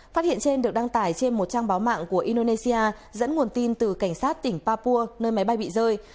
phát hiện trên được đăng tải trên một trang báo mạng của indonesia dẫn nguồn tin từ cảnh sát tỉnh papua nơi máy bay bị rơi